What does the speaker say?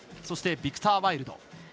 そして、ビクター・ワイルド。